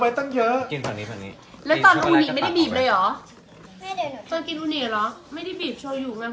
มันจะไม่เก็มแข็ง